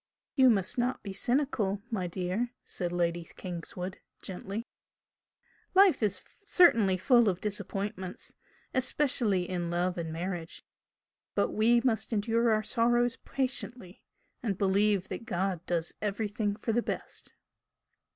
"You must not be cynical, my dear!" said Lady Kingswood, gently "Life is certainly full of disappointments, especially in love and marriage but we must endure our sorrows patiently and believe that God does everything for the best."